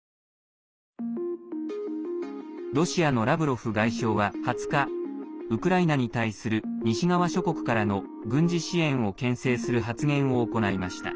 ロシアのラブロフ外相は２０日ウクライナに対する西側諸国からの軍事支援をけん制する発言を行いました。